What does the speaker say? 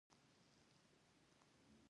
• ځینې نومونه د مذهب سره تړاو لري.